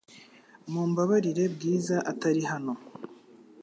Mumbabarire Bwiza atari hano .